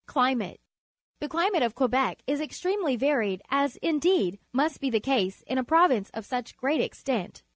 Climate. — The climate of (Quebec is extremely varied, as, indeed, must be the case in a province of such great extent.